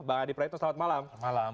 bang adi prayitno selamat malam selamat malam